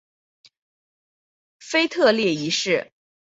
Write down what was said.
腓特烈一世。